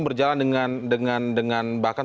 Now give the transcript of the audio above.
berjalan dengan bahkan